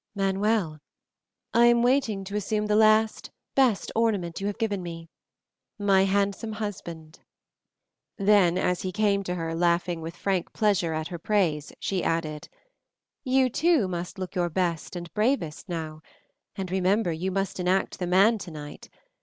"Manuel, I am waiting to assume the last best ornament you have given me, my handsome husband." Then, as he came to her laughing with frank pleasure at her praise, she added, "You, too, must look your best and bravest now, and remember you must enact the man tonight.